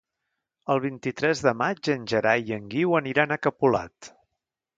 El vint-i-tres de maig en Gerai i en Guiu aniran a Capolat.